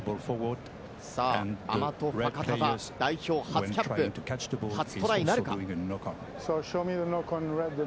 アマト・ファカタヴァ、代表初キャップ、初トライなるか？